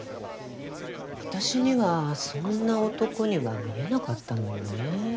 私にはそんな男には見えなかったのよね。